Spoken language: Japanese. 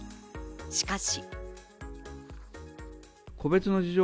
しかし。